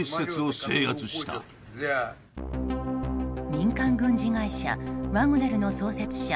民間軍事会社ワグネルの創設者